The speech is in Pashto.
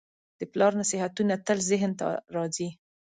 د پلار نصیحتونه تل ذهن ته راځي.